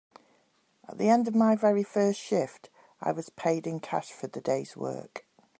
At the end of my very first shift, I was paid in cash for the day’s work.